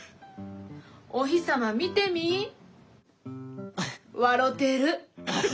お日様見てみ。笑てる。